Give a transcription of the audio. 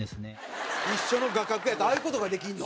一緒の画角やとああいう事ができんの？